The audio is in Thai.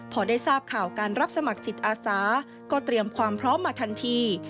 พอได้ทราบข่าวการรับสมัครจิตอาสาก็เตรียมความพร้อมมาทันที